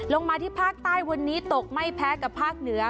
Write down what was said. ลงมาที่ภาคใต้วันนี้ตกไม่แพ้กับภาคเหนือ